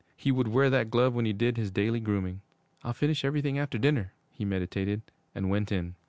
He would wear that glove when he did his daily grooming. 'I'll finish everything after dinner,' he meditated, and went in.